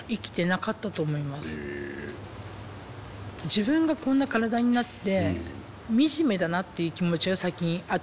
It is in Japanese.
自分がこんな体になって惨めだなっていう気持ちが先にあったのね。